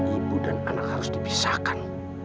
ibu dan anak harus dipisahkan